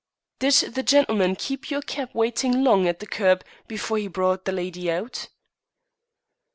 "Did the gentleman keep your cab waiting long at the kerb before he brought the lady out?"